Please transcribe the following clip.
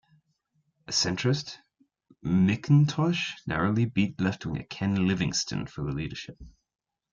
A centrist, McIntosh narrowly beat left-winger Ken Livingstone for the leadership.